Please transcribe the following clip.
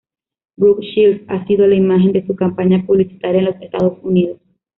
Brooke Shields ha sido la imagen de su campaña publicitaria en los Estados Unidos.